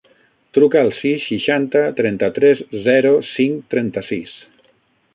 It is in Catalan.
Truca al sis, seixanta, trenta-tres, zero, cinc, trenta-sis.